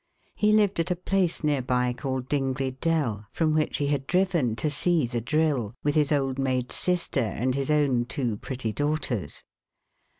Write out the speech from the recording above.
He lived at a place near by called Dingley Dell, from which he had driven to see the drill, with his old maid sister and his own two pretty daughters.